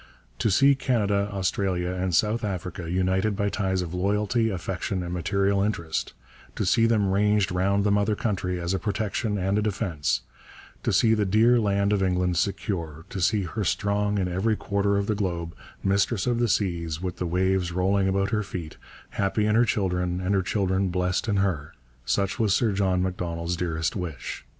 To see Canada, Australia, and South Africa united by ties of loyalty, affection, and material interest; to see them ranged round the mother country as a protection and a defence to see the dear land of England secure, to see her strong in every quarter of the globe, mistress of the seas, 'with the waves rolling about her feet, happy in her children and her children blessed in her' such was Sir John Macdonald's dearest wish.